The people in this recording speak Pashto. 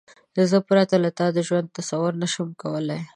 زه پرته له تا د ژوند تصور نشم کولای.